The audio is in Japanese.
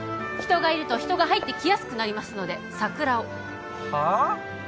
人がいると人が入ってきやすくなりますのでサクラをはあ？